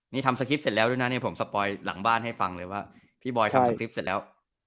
นี่ทำสคริปต์เสร็จแล้วด้วยนะเนี่ยผมสปอยหลังบ้านให้ฟังเลยว่าพี่บอยทำสคริปต์เสร็จแล้ว